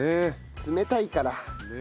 冷たいから。